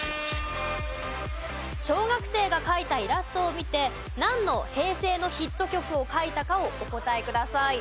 小学生が描いたイラストを見てなんの平成のヒット曲を描いたかをお答えください。